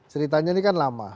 ceritanya ini kan lama